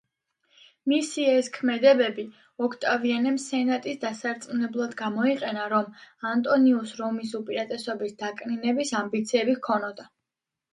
მისი ეს ქმედებები ოქტავიანემ სენატის დასარწმუნებლად გამოიყენა, რომ ანტონიუსს რომის უპირატესობის დაკნინების ამბიციები ჰქონდა.